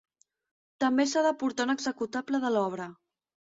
També s'ha de portar un executable de l'obra.